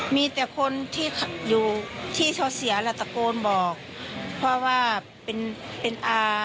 มีแต่คนที่อยู่ที่เขาเสียแล้วตะโกนบอกเพราะว่าเป็นเป็นอา